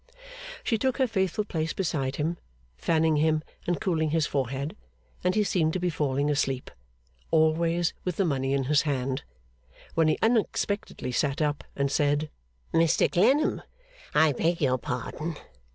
She took her faithful place beside him, fanning him and cooling his forehead; and he seemed to be falling asleep (always with the money in his hand), when he unexpectedly sat up and said: 'Mr Clennam, I beg your pardon.